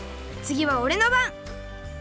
つぎはおれのばん！